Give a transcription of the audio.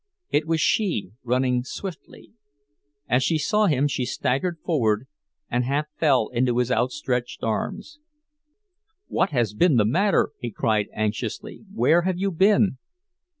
It was she, running swiftly; as she saw him, she staggered forward, and half fell into his outstretched arms. "What has been the matter?" he cried, anxiously. "Where have you been?"